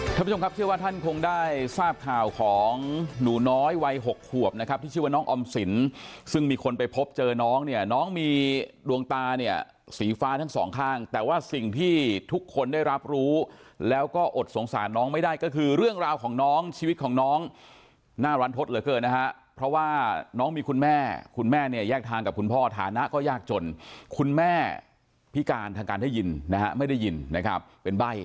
ท่านผู้ชมครับเชื่อว่าท่านคงได้ทราบข่าวของหนูน้อยวัยหกขวบนะครับที่ชื่อน้องออมศิลป์ซึ่งมีคนไปพบเจอน้องเนี่ยน้องมีดวงตาเนี่ยสีฟ้าทั้งสองข้างแต่ว่าสิ่งที่ทุกคนได้รับรู้แล้วก็อดสงสารน้องไม่ได้ก็คือเรื่องราวของน้องชีวิตของน้องน่าร้านทดเหลือเกินนะฮะเพราะว่าน้องมีคุณแม่คุณแม่เน